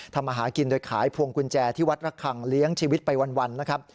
มาหากินโดยขายพวงกุญแจที่วัดระคังเลี้ยงชีวิตไปวันนะครับ